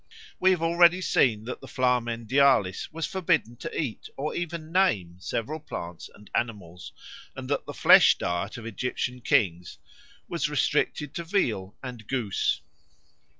We have already seen that the Flamen Dialis was forbidden to eat or even name several plants and animals, and that the flesh diet of Egyptian kings was restricted to veal and goose.